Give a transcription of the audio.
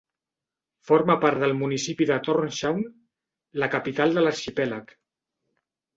Forma part del municipi de Tórshavn, la capital de l'arxipèlag.